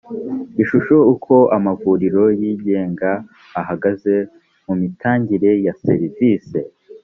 ishusho uko amavuriro yigenga ahagaze mu mitangire ya serivise